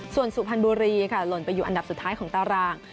ส่วนสุพรรณบุรีค่ะหล่นไปอยู่อันดับสุดท้ายของตาราง